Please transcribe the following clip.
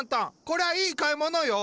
こりゃいい買い物よ。